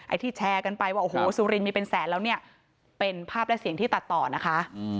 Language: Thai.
ที่แชร์กันไปว่าโอ้โหสุรินมีเป็นแสนแล้วเนี่ยเป็นภาพและเสียงที่ตัดต่อนะคะ